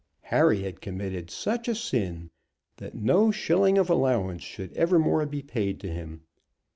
Harry had committed such a sin that no shilling of allowance should evermore be paid to him.